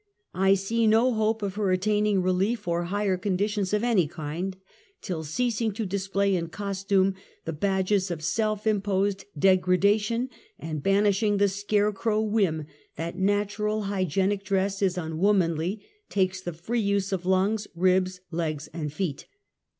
I see no hope of her attaining relief or higher conditions of any kind till ceasing to display in costume the badges of self imposed de gradation, and banishing the scare crow whim that natural, hygienic dress is unwomanly, takes the > free use of lungs, ribs, legs and feet.